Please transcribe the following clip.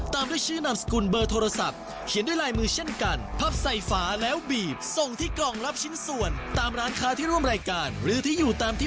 แต่จะทำอย่างไรไปดูกันเลย